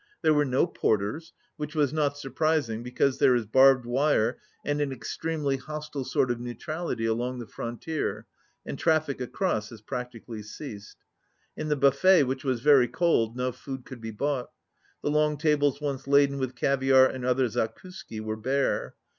There were no porters, which was not surprising because there is barbed wire and an extremely hostile sort of neutrality along the frontier and trafEc across has practically ceased. In the buffet, which was very cold, no food could be bought. The long tables once laden with ca viare and other zakuski were bare.